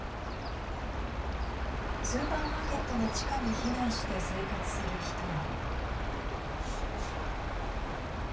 スーパーマーケットの地下に避難して生活する人は。